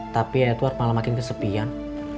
tapi edward malah makin kesepian